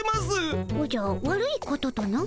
おじゃ悪いこととな？